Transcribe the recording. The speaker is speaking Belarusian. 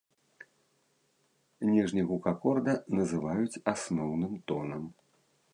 Ніжні гука акорда называюць асноўным тонам.